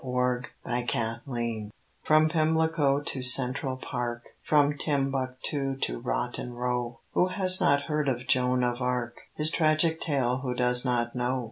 Joan of Arc From Pimlico to Central Park, From Timbuctoo to Rotten Row, Who has not heard of Joan of Arc, His tragic tale who does not know?